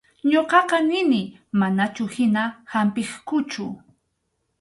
Ñuqaqa nini manachu hina hampiqkuchu.